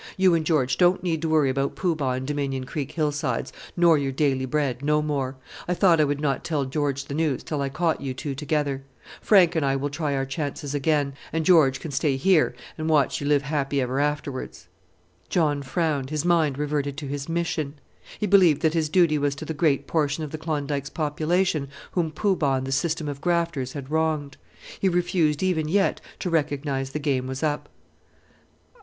You and George don't need to worry about Poo Bah and Dominion Creek hillsides, nor your daily bread, no more. I thought I would not tell George the news till I caught you two together. Frank and I will try our chances again, and George can stay here and watch you 'live happy ever afterwards.'" John frowned; his mind reverted to his "Mission." He believed that his duty was to the great portion of the Klondike's population whom Poo Bah and the system of grafters had wronged. He refused even yet to recognize the game was up.